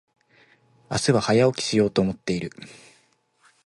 明日は早起きしようと思っている。